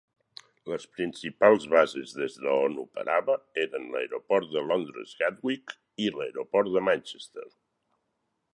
Les principals bases des d'on operava eren l'aeroport de Londres Gatwick i l'aeroport de Manchester.